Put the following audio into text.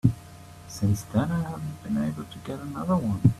Since then I haven't been able to get another one.